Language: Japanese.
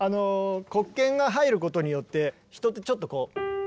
黒鍵が入ることによって人ってちょっとこう。